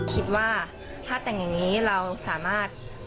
คิดว่าถ้าแต่งอย่างนี้เราสามารถ